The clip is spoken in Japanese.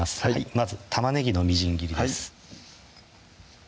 まず玉ねぎのみじん切りです